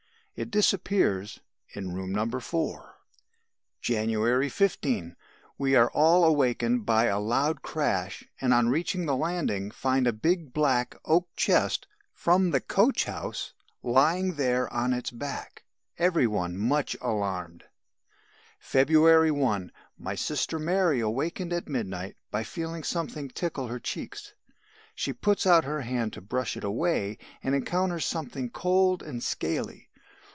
It disappears in room No. 4. "January 15. We are all awakened by a loud crash and on reaching the landing find a big, black oak chest from the coach house, lying there on its back. Every one much alarmed. "February 1. My sister Mary awakened at midnight by feeling something tickle her cheeks. She puts out her hand to brush it away and encounters something cold and scaly.